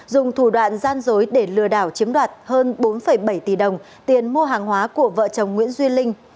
dùng thủ đoạn gian dối để lừa đảo chiếm đoạt hơn bốn bảy tỷ đồng tiền mua hàng hóa của vợ chồng nguyễn duy linh